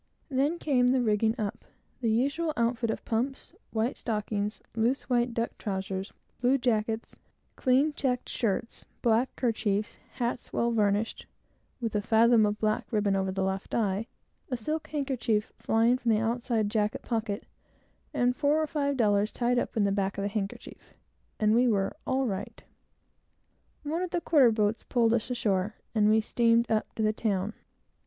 Then came the rigging up. The usual outfit of pumps, white stockings, loose white duck trowsers, blue jackets, clean checked shirts, black kerchiefs, hats well varnished, with a fathom of black ribbon over the left eye, a silk handkerchief flying from the outside jacket pocket, and four or five dollars tied up in the back of the neckerchief, and we were "all right." One of the quarter boats pulled us ashore, and we steamed up to the town.